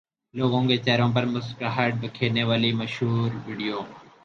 لوگوں کے چہروں پر مسکراہٹ بکھیرنے والی مشہور ویڈیو